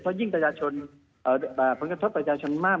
เพราะยิ่งประชาชนผลกระทบประชาชนมาก